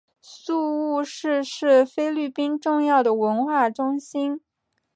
宿雾市是菲律宾重要的文化中心。